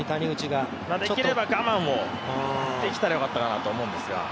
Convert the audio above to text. できれば我慢をできたらよかったんですが。